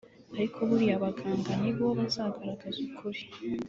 ariko buriya abaganga ni bo bazagaragaza ukuri